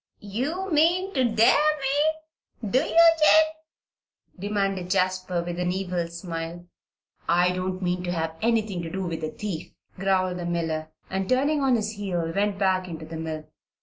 "You mean to dare me; do ye, Jabe?" demanded Jasper, with an evil smile. "I don't mean to have anything to do with a thief," growled the miller, and turning on his heel went back into the mill.